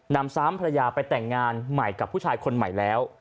นำซ้ำภรรยาไปแต่งงานใหม่กับผู้ชายคนใหม่แล้ว